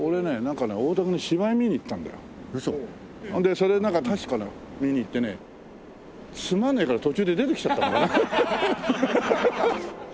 それ確かね見に行ってねつまんねえから途中で出てきちゃったんだよな。